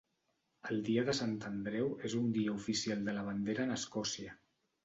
El Dia de Sant Andreu és un dia oficial de la bandera en Escòcia.